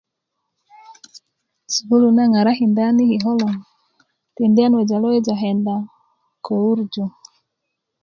sukulu na ŋarakinda an yi kiko' loŋ tindi na wejale weja kenda ko wurjo